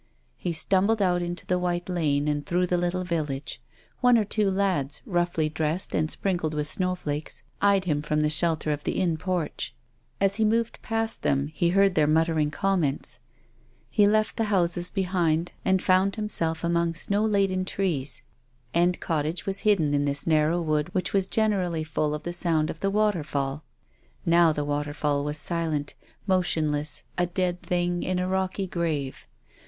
He stumbled out into the white lane and through the little village. One or two lads, roughly dressed and sprinkled with snowflakcs, eyed him from the shelter of the inn porch. As he moved past them, lie heard their muttered com mcnts. He left the houses behind and found 262 TONGUES OF CONSCIENCE. himself among snow laden trees. End Cottage was hidden in this narrow wood which was gen erally full of the sound of the waterfall. Now the waterfall was silent, motionless, a dead thing in a rocky grave.